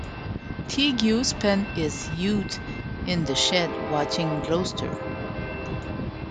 Teague spent his youth in The Shed watching Gloucester.